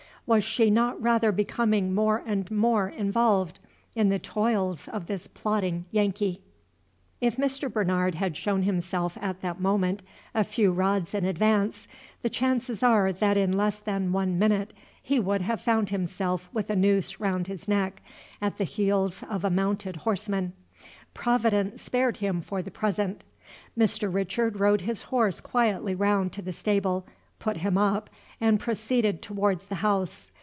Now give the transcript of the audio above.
Was she not rather becoming more and more involved in the toils of this plotting Yankee? If Mr. Bernard had shown himself at that moment a few rods in advance, the chances are that in less than one minute he would have found himself with a noose round his neck, at the heels of a mounted horseman. Providence spared him for the present. Mr. Richard rode his horse quietly round to the stable, put him up, and proceeded towards the house.